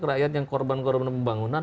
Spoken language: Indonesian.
rakyat yang korban korban pembangunan